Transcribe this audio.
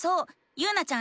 ゆうなちゃん